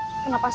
kayak bru sepsi